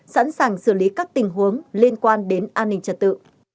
sẵn sàng xử lý các tình huống liên quan đến an ninh trật tự